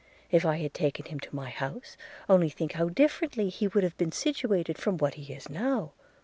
If I had taken him into my house, only think how differently he would have been situated from what he is now!